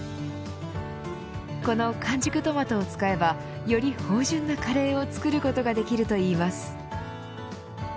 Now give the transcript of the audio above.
この完熟トマトを使えばより芳醇なカレーを作ることができるといいます。